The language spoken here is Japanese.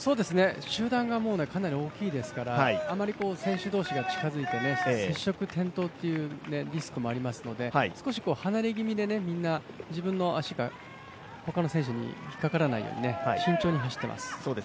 集団がもうかなり大きいですから、あまり選手同士が近づいて接触、転倒っていうリスクもあますので、少し離れ気味で、自分の足が他の選手に引っかからないように慎重に走っています。